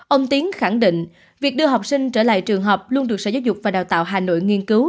ông tiến khẳng định việc đưa học sinh trở lại trường học luôn được sở giáo dục và đào tạo hà nội nghiên cứu